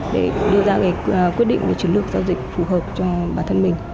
để đưa ra quyết định về chiến lược giao dịch phù hợp cho bản thân mình